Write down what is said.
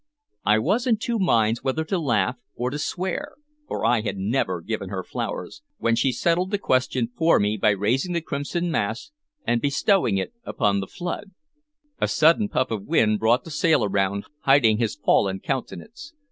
I was in two minds whether to laugh or to swear, for I had never given her flowers, when she settled the question for me by raising the crimson mass and bestowing it upon the flood. A sudden puff of wind brought the sail around, hiding his fallen countenance.